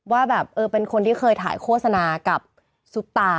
ว่าแบบเออเป็นคนที่เคยถ่ายโฆษณากับซุปตา